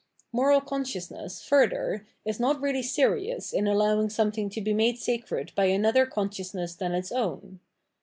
Moral consciousness, further, is not really serious in allowing something to be made sacred by another consciousness than its own.